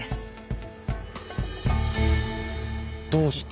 どうして？